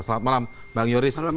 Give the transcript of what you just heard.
selamat malam bang yoris